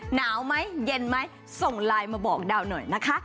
หนาวไหมเย็นไหมส่งไลน์มาบอกดาวหน่อยนะคะ